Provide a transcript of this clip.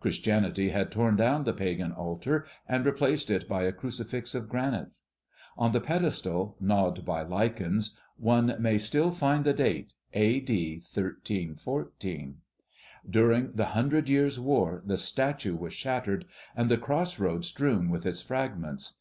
Christianity had torn down the Pagan altar and replaced it by a crucifix of granite. On the pedestal, gnawed by lichens, one may still find the date, A. D. 1314. During the Hundred Years' War the statue was shattered, and the cross road strewn with its fragments.